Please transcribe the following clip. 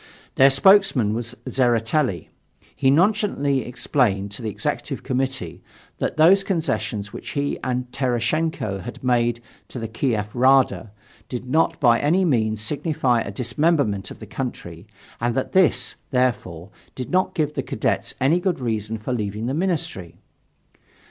Their spokesman was Tseretelli. He nonchalantly explained to the Executive Committee that those concessions which he and Tereshchenko had made to the Kiev Rada did not by any means signify a dismemberment of the country, and that this, therefore, did not give the Cadets any good reason for leaving the Ministry.